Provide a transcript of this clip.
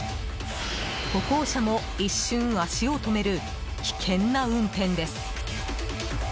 歩行者も一瞬足を止める危険な運転です。